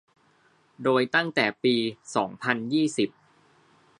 โดยตั้งแต่ปี สองพันยี่สิบ